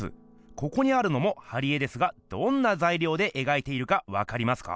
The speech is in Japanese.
ここにあるのも貼り絵ですがどんなざいりょうでえがいているかわかりますか？